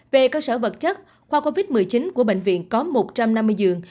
về cơ sở vật chất khoa covid một mươi chín của bệnh viện có một trăm năm mươi giường